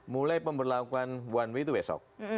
mulai pemberlakuan one way itu besok